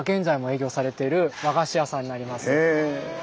へえ。